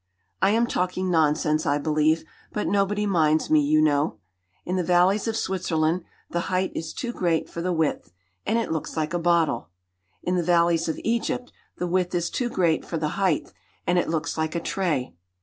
I am talking nonsense, I believe, but nobody minds me, you know. In the valleys of Switzerland the height is too great for the width, and it looks like a bottle. In the valleys of Egypt the width is too great for the height, and it looks like a tray.